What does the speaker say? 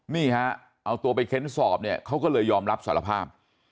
นี่ฮะเอาตัวไปเค้นสอบเนี่ยเขาก็เลยยอมรับสารภาพ